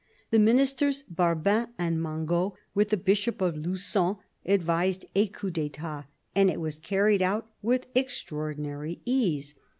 The Ministers Barbin and Mangot, with the Bishop of Lu^on, advised a coup d'etat, and it was carried out with extraordinary ease.